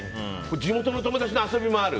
地元の友達の遊びもある。